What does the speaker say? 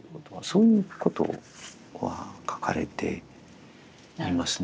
そういうことは書かれていますね。